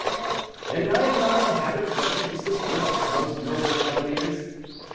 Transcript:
"And I am not in the habit of running useless risks, most noble cavaliers.